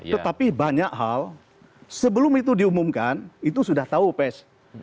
tetapi banyak hal sebelum itu diumumkan itu sudah tahu pes